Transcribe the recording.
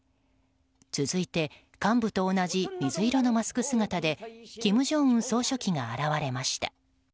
続いて、幹部と同じ水色のマスク姿で金正恩総書記が現れました。